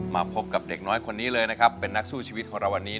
มาพบกับเด็กน้อยคนนี้เลยนะครับเป็นนักสู้ชีวิตของเราวันนี้